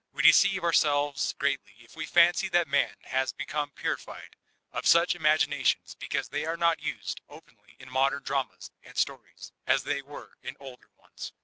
We deceive ourselves greatly if we fancy that Man has become purified of such imaginations because they are not used openly in modem dramas and stories, as they were in the older ones.